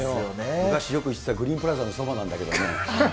昔よく行ってたグリーンプラザのそばなんだけどね。